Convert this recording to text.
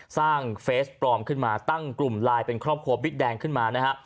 เฟสปลอมขึ้นมาตั้งกลุ่มไลน์เป็นครอบครัวบิ๊กแดงขึ้นมานะฮะ